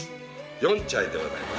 ４ちゃいでございます